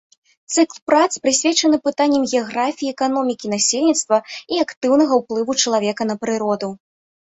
Цыкл прац прысвечаны пытанням геаграфіі і эканомікі насельніцтва і актыўнага ўплыву чалавека на прыроду.